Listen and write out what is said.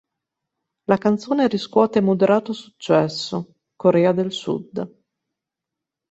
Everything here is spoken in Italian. La canzone riscuote moderato successo Corea del Sud.